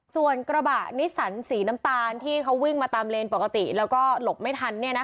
ส่วนกระบะนิสสันสีน้ำตาลที่เขาวิ่งมาตามเลนปกติแล้วก็หลบไม่ทัน